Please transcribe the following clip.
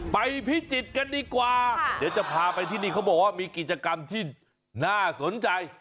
พิจิตรกันดีกว่าเดี๋ยวจะพาไปที่นี่เขาบอกว่ามีกิจกรรมที่น่าสนใจ